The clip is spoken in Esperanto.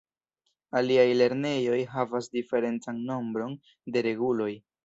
Aliaj lernejoj havas diferencan nombron de reguloj.